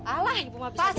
alah ibu mah bisa disangkutin